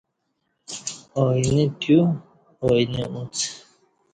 آینہ تیو آینہ اوڅ